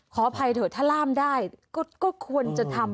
ขออภัยเถอะถ้าล่ามได้ก็ควรจะทำ